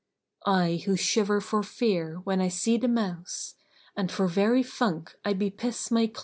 I who shiver for fear when I see the mouse * And for very funk I bepiss my clo'!